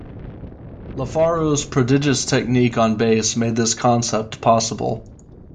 LaFaro's prodigious technique on bass made this concept possible.